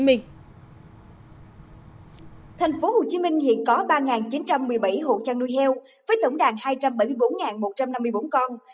thành phố hồ chí minh hiện có ba chín trăm một mươi bảy hộ chăn nuôi heo với tổng đàn hai trăm bảy mươi bốn một trăm năm mươi bốn con